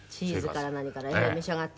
チーズから何から召し上がって。